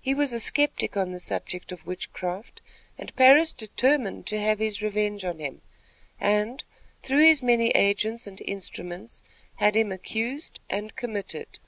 He was a skeptic on the subject of witchcraft, and Parris determined to have his revenge on him, and, through his many agents and instruments, had him accused and committed.